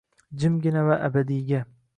Jimgina va abadiyga